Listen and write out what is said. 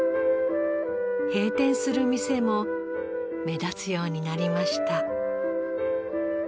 閉店する店も目立つようになりました。